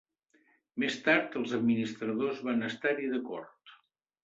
Més tard els administradors van estar-hi d'acord.